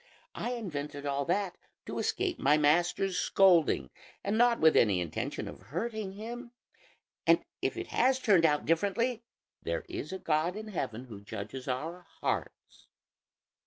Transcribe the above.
I invented all that to escape my master's scolding, and not with any intention of hurting him; and if it has turned out differently, there is a God in heaven who judges our hearts."